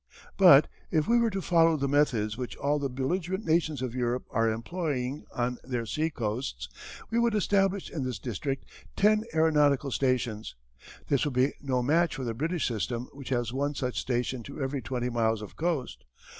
But if we were to follow the methods which all the belligerent nations of Europe are employing on their sea coasts we would establish in this district ten aeronautical stations. This would be no match for the British system which has one such station to every twenty miles of coast.